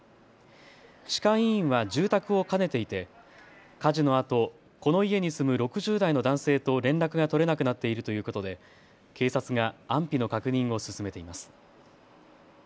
歯科医院は住宅を兼ねていて火事のあと、この家に住む６０代の男性と連絡が取れなくなっているということで警察が安否の確認を進めています。